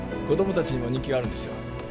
子供達にも人気があるんですよ